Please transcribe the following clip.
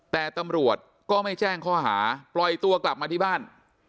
แต่ตำรวจก็ไม่แจ้งข้อหาปล่อยตัวกลับมาที่บ้าน